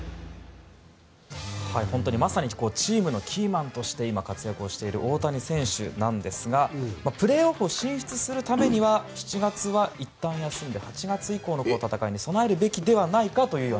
本当にまさにチームのキーマンとして今、活躍している大谷選手ですがプレーオフに進出するためには７月はいったん休んで８月以降の戦いに備えるべきではないかという。